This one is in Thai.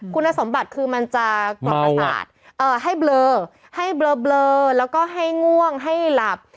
คุณสมบัติคือมันจะกรอกประสาทให้เบลอให้เบลอแล้วก็ให้ง่วงให้หลับ